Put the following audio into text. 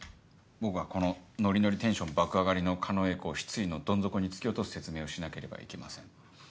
僕はこのノリノリテンション爆上がりの狩野英孝を失意のどん底に突き落とす説明をしなければいけません。